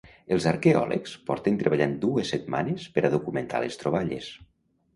Els arqueòlegs porten treballant dues setmanes per a documentar les troballes.